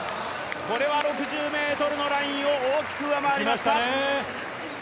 これは６０ｍのラインを大きく上回りました。